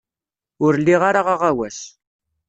Ur liɣ ara aɣawas.